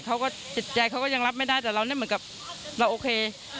จิตใจเขาก็ยังรับไม่ได้แต่เราเนี่ยเหมือนกับเราโอเค